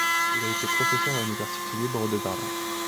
Il a été professeur à l'université libre de Berlin.